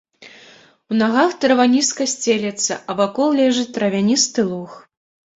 У нагах трава нізка сцелецца, а вакол ляжыць травяністы луг.